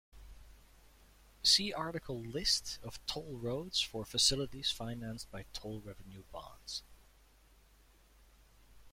See article List of toll roads for facilities financed by toll revenue bonds.